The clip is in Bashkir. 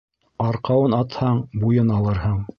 Арҡауын атһаң, буйын алырһың.